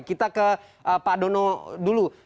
kita ke pak dono dulu